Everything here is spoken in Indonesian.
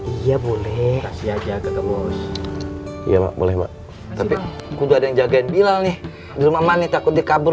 iya boleh ya boleh maksudnya udah ada yang jagain bilang nih rumah manita aku dikabur